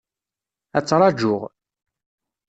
Ad ttraǧuɣ.